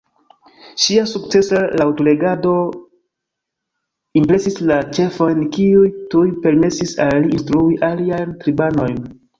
Ŝia sukcesa laŭtlegado impresis la ĉefojn kiuj tuj permesis al li instrui aliajn tribanojn